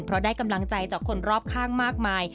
เพราะได้กำลังใจจากคนรอบข้างมากมาย